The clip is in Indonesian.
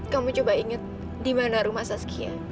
kamu coba ingat di mana rumah saskia